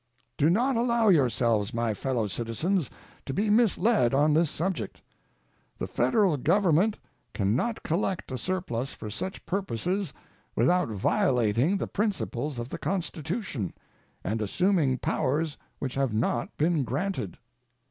Do not allow yourselves, my fellow citizens, to be misled on this subject. The Federal Government can not collect a surplus for such purposes without violating the principles of the Constitution and assuming powers which have not been granted.